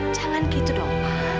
jangan gitu dong pak